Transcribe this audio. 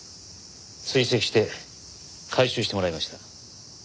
追跡して回収してもらいました。